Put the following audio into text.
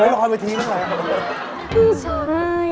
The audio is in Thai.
เฮ้ยบังค์เวทีอะไรครับ